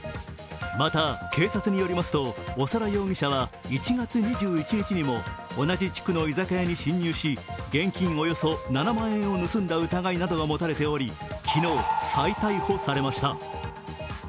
また、警察によりますと長田容疑者は１月２１日にも同じ地区の居酒屋に侵入し、現金およそ７万円を盗んだ疑いなどが持たれており昨日、再逮捕されました。